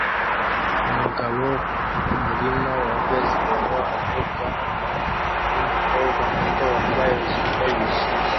Umugabo kumurima wa baseball avugana numukobwa muto wambaye ijipo yijimye